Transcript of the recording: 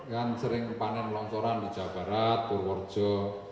kan sering panen longsoran di jawa barat purworejo